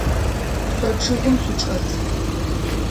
Шъо чъыгым шъучӏэт.